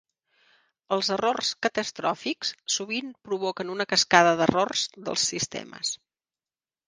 Els errors catastròfics sovint provoquen una cascada d'errors dels sistemes.